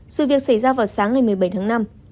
sự việc xảy ra vào sáng ngày một mươi bảy tháng năm